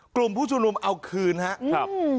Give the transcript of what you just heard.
กลุ่มผู้ชุมนุมเอาคืนครับ